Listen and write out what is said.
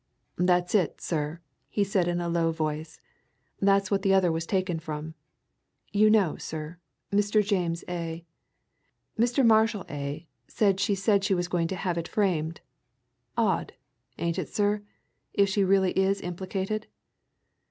"That's it, sir," he said in a low voice. "That's what the other was taken from. You know, sir Mr. James A. Mr. Marshall A. said she said she was going to have it framed. Odd, ain't it, sir? if she really is implicated."